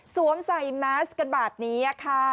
สวมใส่แมสกันบัดนี้ค่ะ